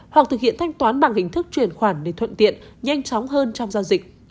hoặc thực hiện thanh toán bằng hình thức chuyển khoản để thuận tiện nhanh chóng hơn trong giao dịch